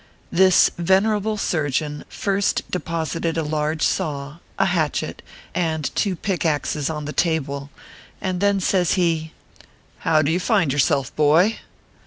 This venerable surgeon first deposited a large saw, a hatchet, and two pick axes on the table, and then says he :" How do you find yourself, boy